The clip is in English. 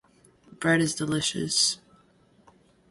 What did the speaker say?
Bread is delicious!